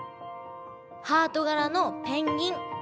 ハートがらのペンギン。